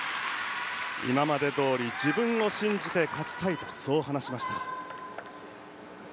「今までどおり自分を信じて勝ちたい」とそう話しました。